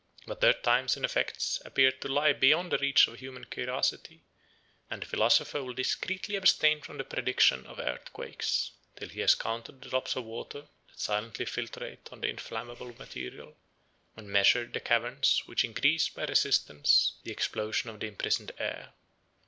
But their times and effects appear to lie beyond the reach of human curiosity; and the philosopher will discreetly abstain from the prediction of earthquakes, till he has counted the drops of water that silently filtrate on the inflammable mineral, and measured the caverns which increase by resistance the explosion of the imprisoned air.